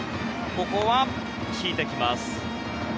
ここは引いてきます。